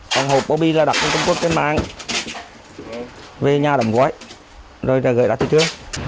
hàng hộp bộ bi là đặt trong trung quốc trên mạng về nhà đẩm gói rồi gửi đặt từ trước